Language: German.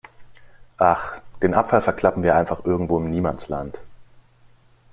Ach, den Abfall verklappen wir einfach irgendwo im Niemandsland.